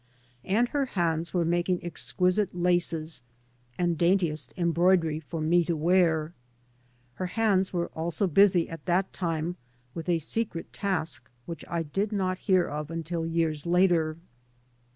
And her hands were making exquisite laces and daintiest embroidery for me to wear. Her hands were also busy at that time with a secret task which I did not hear of until years later.